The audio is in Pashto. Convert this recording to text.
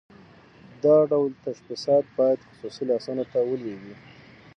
دا ډول تشبثات باید خصوصي لاسونو ته ولویږي.